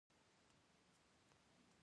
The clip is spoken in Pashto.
ترڅو یې راتلونکو نسلونو ته وسپاري